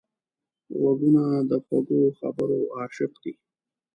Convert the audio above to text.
غوږونه د خوږو خبرو عاشق دي